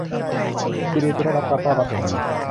ซีเลียจะได้รับการต้อนรับอย่างดี